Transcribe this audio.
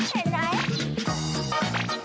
เห็นไหม